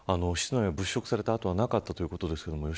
室内を物色された跡はなかったということですが